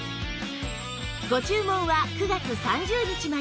ご注文は９月３０日まで